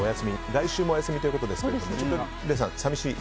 来週もお休みということですが礼さん、寂しい？